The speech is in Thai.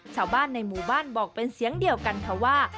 ชาวบ้านในหมู่บ้านบอกเป็นเสียงเดียวกันค่ะว่า